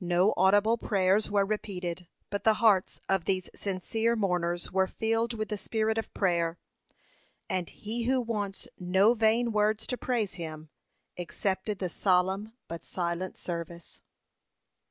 No audible prayers were repeated, but the hearts of these sincere mourners were filled with the spirit of prayer; and He who wants no vain words to praise Him, accepted the solemn but silent service.